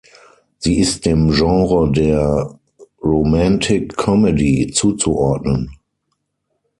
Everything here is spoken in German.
Sie ist dem Genre der "Romantic Comedy" zuzuordnen.